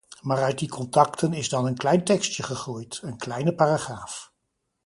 Maar uit die contacten is dan een klein tekstje gegroeid, een kleine paragraaf.